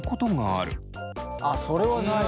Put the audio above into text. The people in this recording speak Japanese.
あっそれはないわ。